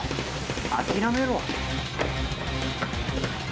諦めろ。